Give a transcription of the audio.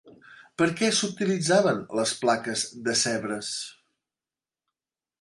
Per a què s'utilitzaven les plaques de Sèvres?